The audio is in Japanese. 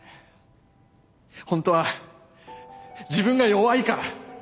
ホントは自分が弱いから。